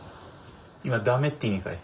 今駄目って意味かい？